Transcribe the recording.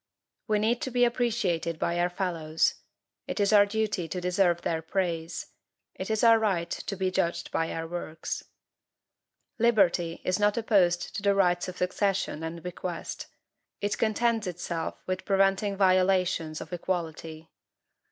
We need to be appreciated by our fellows. It is our duty to deserve their praise. It is our right to be judged by our works. Liberty is not opposed to the rights of succession and bequest. It contents itself with preventing violations of equality.